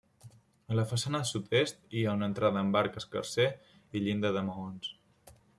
A la façana sud-est, hi ha una entrada amb arc escarser i llinda de maons.